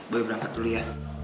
boy berangkat dulu ya